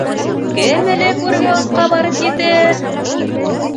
-Кем элек үрге осҡа барып етер!..